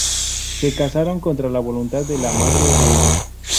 Se casaron contra la voluntad de la madre de ella.